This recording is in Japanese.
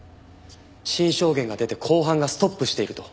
新証言が出て公判がストップしていると。